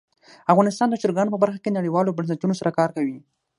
افغانستان د چرګان په برخه کې نړیوالو بنسټونو سره کار کوي.